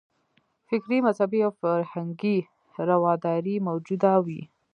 فکري، مذهبي او فرهنګي رواداري موجوده وي.